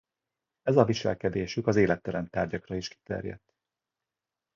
Ez a viselkedésük az élettelen tárgyakra is kiterjedt.